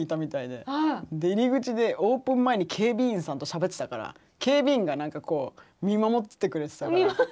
で入り口でオープン前に警備員さんとしゃべってたから警備員が見守っててくれてたから。